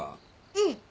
うん。